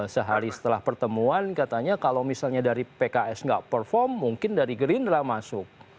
sehari setelah pertemuan katanya kalau misalnya dari pks nggak perform mungkin dari gerindra masuk